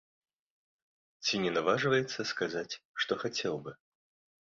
Ці не наважваецца сказаць, што хацеў бы.